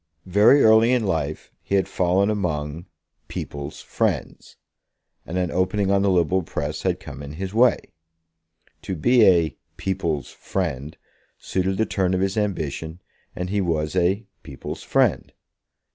Very early in life he had fallen among "people's friends," and an opening on the liberal press had come in his way. To be a "people's friend" suited the turn of his ambition, and he was a "people's friend."